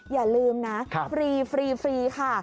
อย่าลืมนะฟรีค่ะ